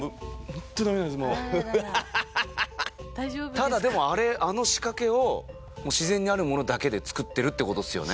ただでもあの仕掛けを自然にあるものだけで作ってるって事ですよね。